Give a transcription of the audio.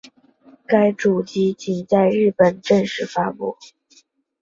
该主机仅在日本正式发布。